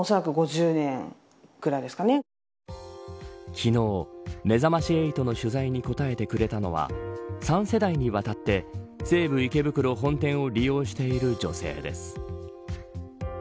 昨日、めざまし８の取材に答えてくれたのは３世代にわたって西武池袋本店を利用している女性です。